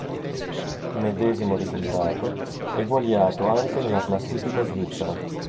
Medesimo risultato eguagliato anche nella classifica svizzera.